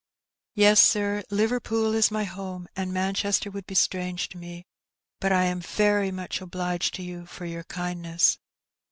'' ''Yes, sir, Liverpool is my home^ and Manchester would be strange to me; but I am very mach obliged to yoa for your kindness."